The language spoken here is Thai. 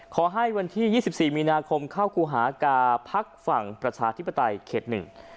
ขอให้วันที่๒๔มีนาคมเข้าคู่หากาภักดิ์ฝั่งประชาธิปไตยเข็ดหนึ่ง